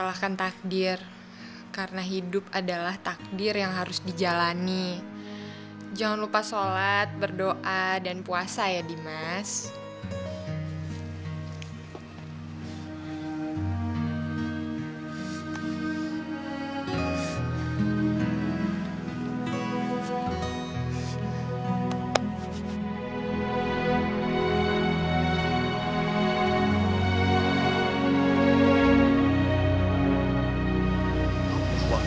makasih banyak karna allah udah ngasih kaka sebaik kaka aisyah